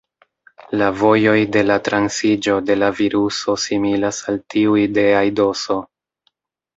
La vojoj de la transiĝo de la viruso similas al tiuj de aidoso.